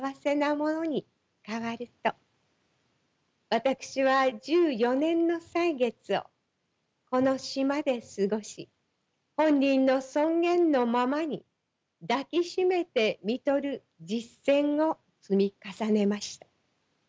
私は１４年の歳月をこの島で過ごし本人の尊厳のままに抱き締めて看取る実践を積み重ねました。